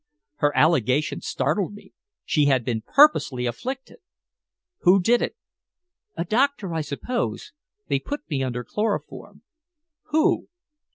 Her allegation startled me. She had been purposely afflicted! "Who did it?" "A doctor, I suppose. They put me under chloroform." "Who?"